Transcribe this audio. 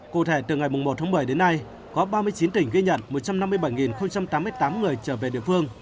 cụ thể từ ngày một tháng một mươi đến nay có ba mươi chín tỉnh ghi nhận một trăm năm mươi bảy tám mươi tám người trở về địa phương